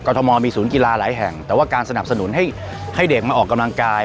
ทมมีศูนย์กีฬาหลายแห่งแต่ว่าการสนับสนุนให้เด็กมาออกกำลังกาย